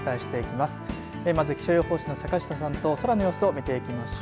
まず気象予報士の坂下さんと空の様子を見ていきましょう。